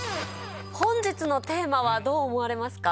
本日のテーマはどう思われますか？